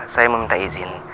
saya meminta izin